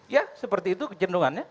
ya seperti itu kejendungannya